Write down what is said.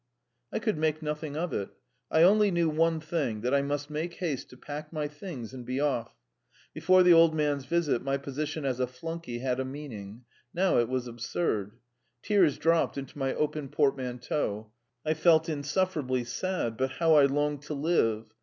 I could make nothing of it. I only knew one thing that I must make haste to pack my things and be off. Before the old man's visit my position as a flunkey had a meaning; now it was absurd. Tears dropped into my open portmanteau; I felt insufferably sad; but how I longed to live!